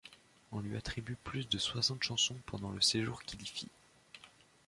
On lui attribue plus de soixante chansons pendant le séjour qu'il y fit.